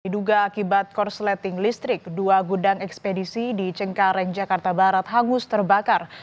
diduga akibat korsleting listrik dua gudang ekspedisi di cengkareng jakarta barat hangus terbakar